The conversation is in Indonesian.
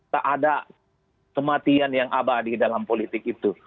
tak ada kematian yang abadi dalam politik itu